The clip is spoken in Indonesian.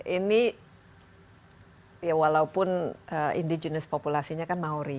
ini ya walaupun indigenous populasinya kan mauri